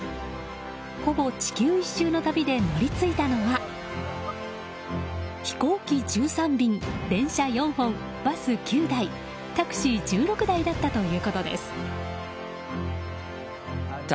ほぼ地球１周の旅で乗り継いだのは飛行機１３便、電車４本バス９台タクシー１６台だったということです。